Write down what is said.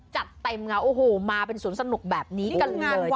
จัดเต็มเงาะโอ้โหมาเป็นศูนย์สนุกแบบนี้กันเลยทีเดียว